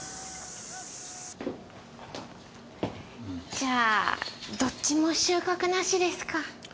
じゃあどっちも収穫なしですか。